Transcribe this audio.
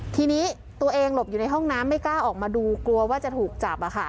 ทีนี้ตัวเองหลบอยู่ในห้องน้ำไม่กล้าออกมาดูกลัวว่าจะถูกจับ